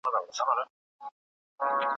د ساینس پوهان په ګډه کار کوي.